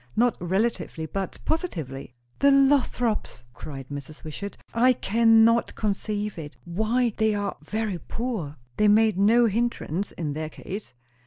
Not relatively, but positively." "The Lothrops!" cried Mrs. Wishart. "I can not conceive it. Why, they are very poor." "That made no hindrance, in their case."